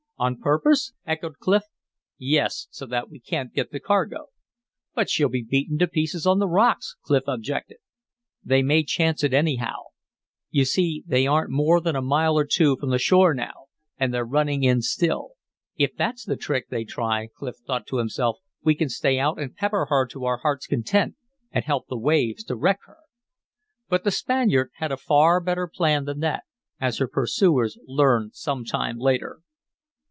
"On purpose?" echoed Clif. "Yes; so that we can't get the cargo." "But she'll be beaten to pieces on the rocks," Clif objected. "They may chance it anyhow; you see they aren't more than a mile or two from the shore now, and they're running in still." "If that's the trick they try," Clif thought to himself, "we can stay out and pepper her to our heart's content and help the waves to wreck her." But the Spaniard had a far better plan than that, as her pursuers learned some time later.